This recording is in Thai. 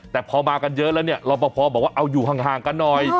แต่พอมากันเยอะแล้วเนี่ยรอปภบอกว่าเอาอยู่ห่างกันหน่อย